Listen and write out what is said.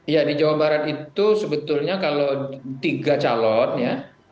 ya di jawa barat itu sebetulnya kalau tiga calon ya